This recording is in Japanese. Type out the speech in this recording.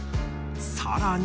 更に。